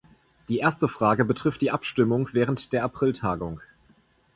Die erste Frage betrifft die Abstimmung während der April-Tagung.